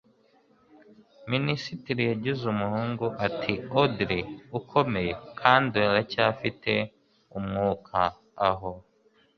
minisitiri yagize umuhungu ati 'odili, ukomeye,' kandi aracyafite umwuka. 'aho